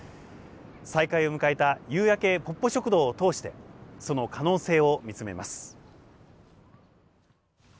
再開を迎えた夕焼けぽっぽ食堂を通してその可能性を見つめます。